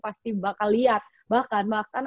pasti bakal lihat bahkan bahkan